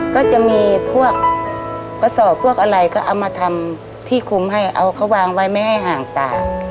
ก็จะมีพวกกระสอบพวกอะไรก็เอามาทำที่คุมให้เอาเขาวางไว้ไม่ให้ห่างตา